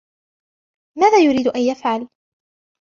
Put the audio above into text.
ماذا يريد أن يفعل ؟